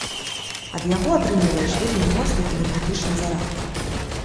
Ад яго атрымліваеш вельмі моцны энергетычны зарад.